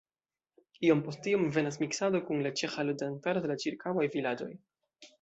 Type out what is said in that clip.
Iom post iom venas miksado kun la ĉeĥa loĝantaro de la ĉirkaŭaj vilaĝoj.